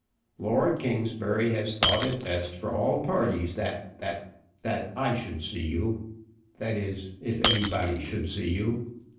"Lord Kingsbury has thought it best for all parties that, that, that, I should see you. That is, if anybody should see you.